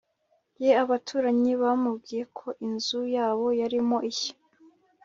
ye abaturanyi bamubwiye ko inzu yabo yarimo ishya